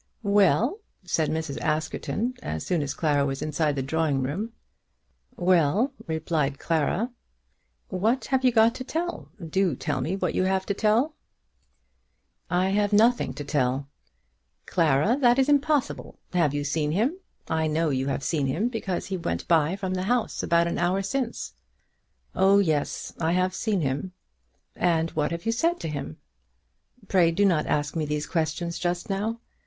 "Well?" said Mrs. Askerton as soon as Clara was inside the drawing room. "Well," replied Clara. "What have you got to tell? Do tell me what you have to tell." "I have nothing to tell." "Clara, that is impossible. Have you seen him? I know you have seen him, because he went by from the house about an hour since." "Oh yes; I have seen him." "And what have you said to him?" "Pray do not ask me these questions just now.